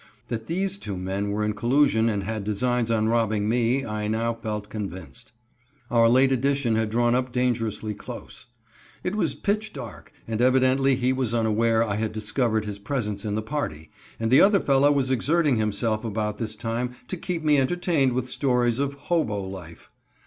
That these two men were in collusion and had designs on robbing me I now felt convinced. Our late addition had drawn up dangerously close. It was pitch dark, and evidently he was unaware I had discovered his presence in the party, and the other fellow was exerting himself about this time to keep me entertained with stories of "hobo" life.